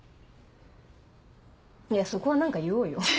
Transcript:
いやそこは何か言おうよ。